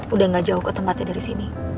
udah gak jauh ke tempatnya dari sini